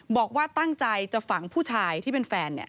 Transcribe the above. บอกว่าตั้งใจจะฝังผู้ชายที่เป็นแฟน